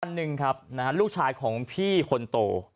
หนึ่งครับนะฮะลูกชายของพี่คนโต